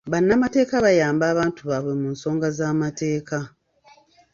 Bannamakeeta bayamba abantu baabwe mu nsonga z'amateeka.